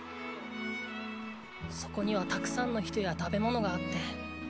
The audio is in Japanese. そこには沢山の人や食べ物があって。